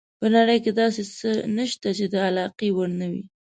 په نړۍ کې داسې څه نشته چې د علاقې وړ نه وي.